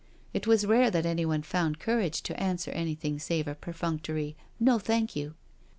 It was rare that anyone found courage to answer anything save a perfunctory " No, thank you."